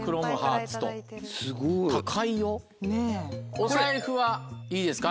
お財布はいいですか？